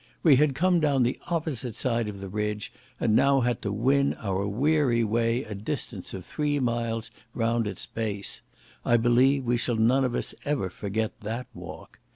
We had come down the opposite side of the ridge, and had now to win our weary way a distance of three miles round its base, I believe we shall none of us ever forget that walk.